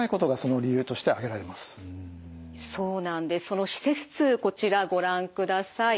その施設数こちらご覧ください。